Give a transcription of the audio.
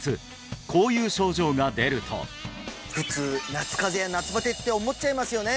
こういう症状が出ると普通夏風邪や夏バテって思っちゃいますよね